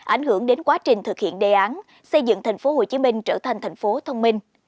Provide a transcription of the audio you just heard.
ảnh hưởng đến quá trình thực hiện đề án xây dựng tp hcm trở thành thành phố thông minh